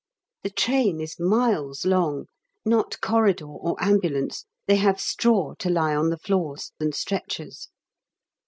The train is miles long not corridor or ambulance; they have straw to lie on the floors and stretchers.